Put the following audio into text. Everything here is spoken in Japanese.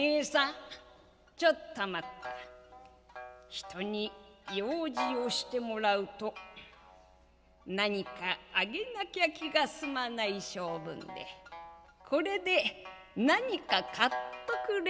人に用事をしてもらうと何かあげなきゃ気が済まない性分でこれで何か買っとくれ」。